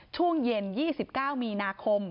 ช่วงเย็น๒๙มีนาคม